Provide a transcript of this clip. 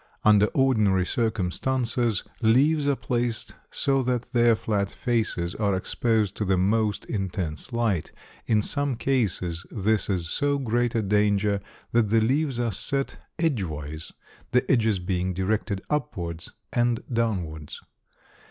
Under ordinary circumstances leaves are placed so that their flat faces are exposed to the most intense light. In some cases this is so great a danger that the leaves are set edgewise, the edges being directed upwards and downwards.